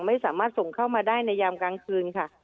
ไม่สามารถส่งเข้ามาได้ในยามกลางคืนค่ะ